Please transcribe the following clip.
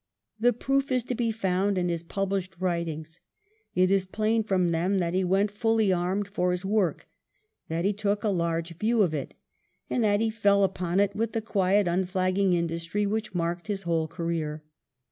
The proof is to be found in his published writings. It is plain from them that he went fully armed for his work, that he took a large view of it, and that he fell upon it with the quiet, unflagging industry which marked his whole career.